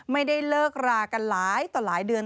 ไม่ได้เลิกรากันหลายต่อหลายเดือน